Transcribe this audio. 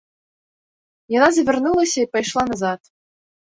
Яна завярнулася і пайшла назад.